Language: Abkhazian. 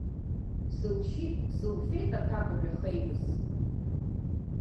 Сылшьит, сылфеит аҭакәажә, ахеивыс.